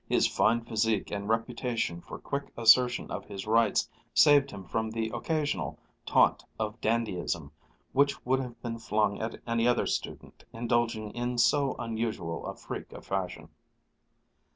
His fine physique and reputation for quick assertion of his rights saved him from the occasional taunt of dandyism which would have been flung at any other student indulging in so unusual a freak of fashion.